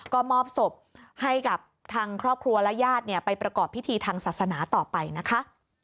ก็มอบศพให้กับทางครอบครัวและญาติไปประกอบพิธีทางศาสนาต่อไปนะคะ